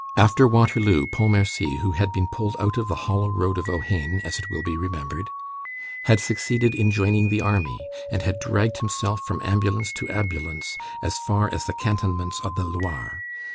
After Waterloo, Pontmercy, who had been pulled out of the hollow road of Ohain, as it will be remembered, had succeeded in joining the army, and had dragged himself from ambulance to ambulance as far as the cantonments of the Loire.